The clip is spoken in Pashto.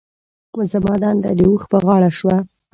زما دنده د اوښ په غاړه شوه.